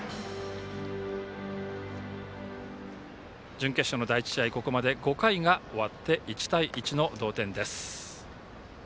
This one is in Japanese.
準決勝の第１試合、ここまで５回が終わって１対１の同点です。